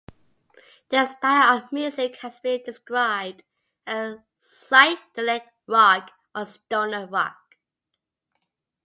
Their style of music has been described as psychedelic rock or stoner rock.